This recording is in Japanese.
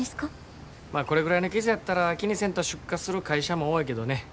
まあこれぐらいの傷やったら気にせんと出荷する会社も多いけどね